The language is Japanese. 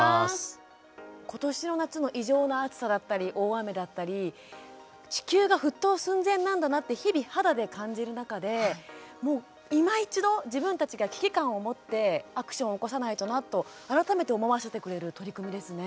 今年の夏の異常な暑さだったり大雨だったり地球が沸騰寸前なんだなって日々、肌で感じる中でもう、いま一度、自分たちが危機感を持ってアクションを起こさないとなと改めて思わせてくれる取り組みですね。